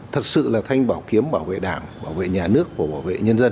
thật sự là thanh bảo kiếm bảo vệ đảng bảo vệ nhà nước và bảo vệ nhân dân